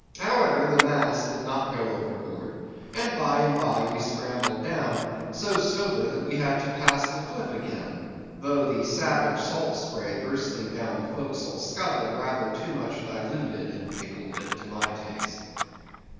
However, the masts did not go overboard; and by and by we scrambled down, so sober, that we had to pass the flip again, though the savage salt spray bursting down the forecastle scuttle, rather too much diluted and pickled it to my taste.